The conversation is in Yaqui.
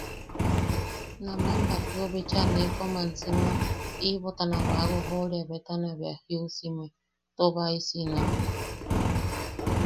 Naman batweu bicha nee kom ansimeo, iʼibotana baʼawojoʼoria betana bea jiusime too baisiino.